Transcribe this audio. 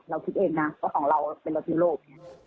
คิดเองนะว่าของเราเป็นรถที่โลก